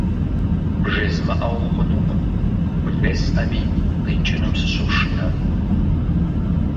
БжезмыӀэу хъунукъым, бжесӀэми къикӀынум сыщошынэ.